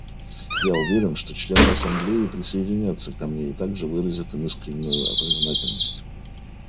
Я уверен, что члены Ассамблеи присоединятся ко мне и также выразят им искреннюю признательность.